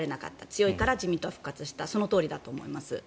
強いから自民党は復活したそのとおりだと思います。